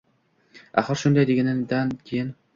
Axir, shunday deganidan keyin